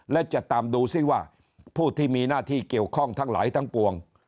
และจะตามดูซิว่าผู้ที่มีหน้าที่เกี่ยวข้องทั้งหลายทั้งปวง